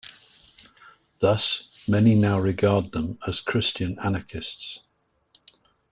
Thus, many now regard them as Christian anarchists.